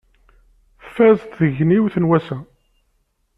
Tfaz tegnewt n wass-a.